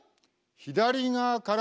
左側から。